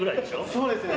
そうですね。